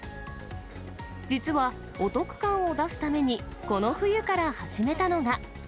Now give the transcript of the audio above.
実はお得感を出すために、この冬から始めたのが。